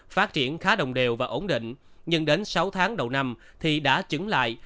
phát triển khá đồng đều và ổn định nhưng đến sáu tháng đầu năm thì đã chứng lại